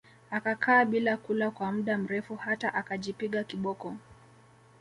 Akakaa bila kula kwa mda mrefu hata akajipiga kiboko